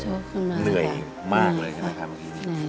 เหนื่อยมากเลยนะคะเมื่อกี้